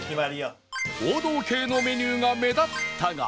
王道系のメニューが目立ったが